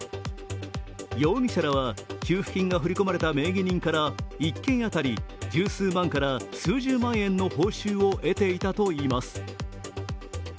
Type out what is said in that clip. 容疑者らは給付金が振り込まれた名義人から１件当たり十数万から数十万円の報酬を得ていたといいます。